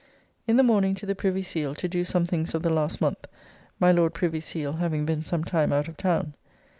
In the morning to the Privy Seal to do some things of the last month, my Lord Privy Seal having been some time out of town.